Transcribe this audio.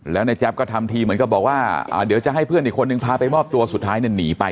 แล้วนายแจ๊บก็ทำทีเหมือนกับบอกว่าเดี๋ยวจะให้เพื่อนอีกคนนึงพาไปมอบตัวสุดท้ายเนี่ยหนีไป